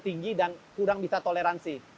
tinggi dan kurang bisa toleransi